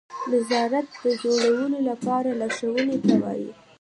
نظارت د جوړولو لپاره لارښوونې ته وایي.